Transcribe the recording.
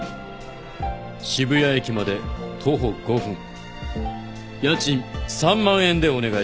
渋谷駅まで徒歩５分家賃３万円でお願いします。